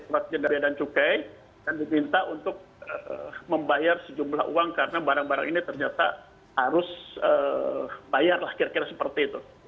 kemudian saya diperlukan oleh bacuk dan diminta untuk membayar sejumlah uang karena barang barang ini ternyata harus bayarlah kira kira seperti itu